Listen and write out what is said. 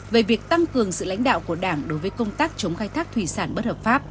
về việc tăng cường sự lãnh đạo của đảng đối với công tác chống khai thác thủy sản bất hợp pháp